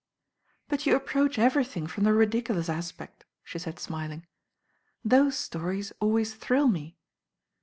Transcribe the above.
"But you approach everything from the ridiculous aspect," she said smiling. "Those stories always thrill me."